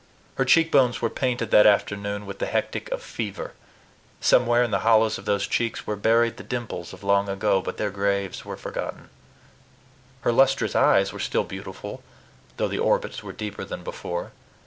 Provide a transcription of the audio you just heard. Her cheekbones were painted that afternoon with the hectic of fever: somewhere in the hollows of those cheeks were buried the dimples of long ago, but their graves were forgotten. Her lustrous eyes were still beautiful, though the orbits were deeper than before.